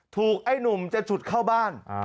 ไอ้หนุ่มจะฉุดเข้าบ้าน